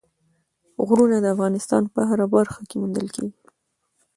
غرونه د افغانستان په هره برخه کې موندل کېږي.